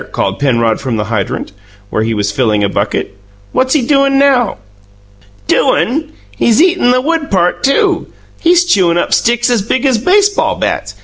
called Penrod from the hydrant, where he was filling a bucket. "What's he doin' now?" "Doin'! He's eatin' the wood part, too! He's chewin' up sticks as big as baseball bats!